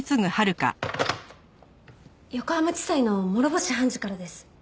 横浜地裁の諸星判事からです。